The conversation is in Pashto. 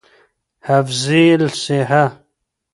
حفظی الصیحه